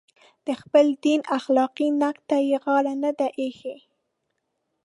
د خپل دین اخلاقي نقد ته یې غاړه نه وي ایښې.